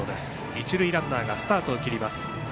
一塁ランナーがスタートをきります。